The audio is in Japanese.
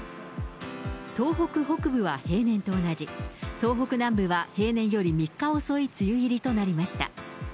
東北北部は平年と同じ、東北南部は平年より３日遅い梅雨入りとなりました。